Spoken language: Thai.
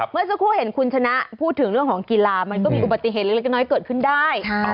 เมื่อสักครู่เห็นคุณชนะพูดถึงเรื่องของกีฬามันก็มีอุบัติเหตุเล็กน้อยเกิดขึ้นได้